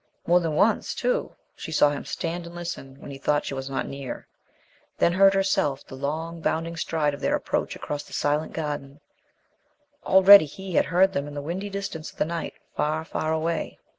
More than once, too, she saw him stand and listen when he thought she was not near, then heard herself the long bounding stride of their approach across the silent garden. Already he had heard them in the windy distance of the night, far, far away.